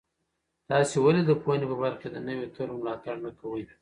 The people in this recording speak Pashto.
تاسې ولې د پوهنې په برخه کې د نویو طرحو ملاتړ نه کوئ؟